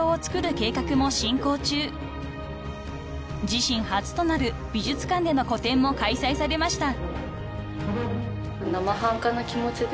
［自身初となる美術館での個展も開催されました］